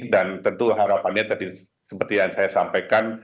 dan tentu harapannya seperti yang saya sampaikan